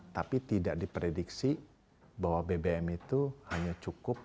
tapi tidak diprediksi bahwa bbm itu hanya cukup